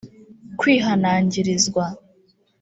kwihanangirizwa